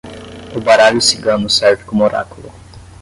O baralho cigano serve como oráculo